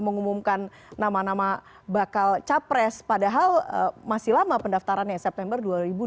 mengumumkan nama nama bakal capres padahal masih lama pendaftarannya september dua ribu dua puluh